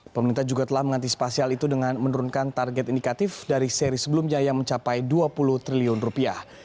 pemerintah juga telah mengantisipasi hal itu dengan menurunkan target indikatif dari seri sebelumnya yang mencapai dua puluh triliun rupiah